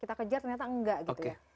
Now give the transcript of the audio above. kita kejar ternyata enggak gitu ya